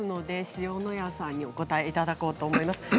塩之谷さんにお答えいただこうと思います。